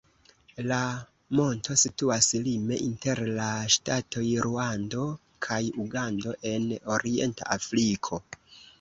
La monto situas lime inter la ŝtatoj Ruando kaj Ugando en orienta Afriko.